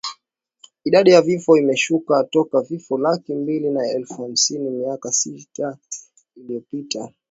idadi ya vifo imeshuka toka vifo laki mbili na elfu hamsini miaka sita iliyopita